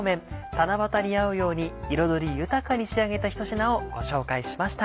七夕に合うように彩り豊かに仕上げた一品をご紹介しました。